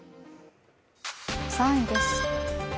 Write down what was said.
３位です。